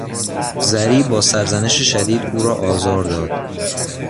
زری با سرزنش شدید او را آزار داد.